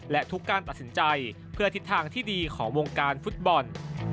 และทุกการตัดสินใจเพื่อทิศทางที่ดีของวงการฟุตบอล